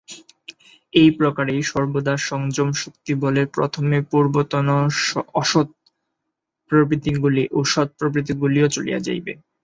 এই প্রকারেই সর্বদা সংযম-শক্তিবলে প্রথমে পূর্বতন অসৎ প্রবৃত্তিগুলি ও সৎপ্রবৃত্তিগুলিও চলিয়া যাইবে।